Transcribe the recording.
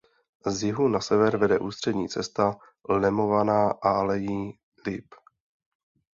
Z jihu na sever vede ústřední cesta lemovaná alejí lip.